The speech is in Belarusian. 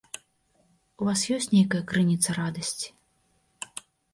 У вас ёсць нейкая крыніца радасці?